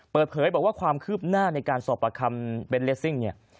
เปิดเผยบอกว่าความคืบหน้าในการสอบประคำเบนเลสซิ่งเนี่ย